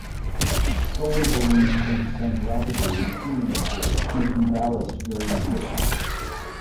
Solar balloons can descend rapidly when cooling occurs, making ballast very important.